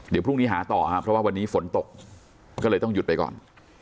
เดี๋ยวพรุ่งนี้หาต่อครับเพราะว่าวันนี้ฝนตกก็เลยต้องหยุดไปก่อน